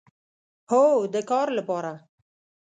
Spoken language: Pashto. هو، د کار لپاره